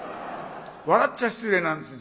笑っちゃ失礼なんです